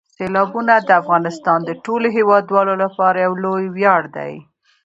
سیلابونه د افغانستان د ټولو هیوادوالو لپاره یو لوی ویاړ دی.